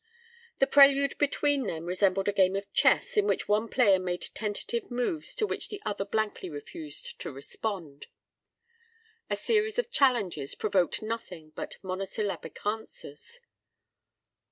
The prelude between them resembled a game of chess in which one player made tentative moves to which the other blankly refused to respond. A series of challenges provoked nothing but monosyllabic answers.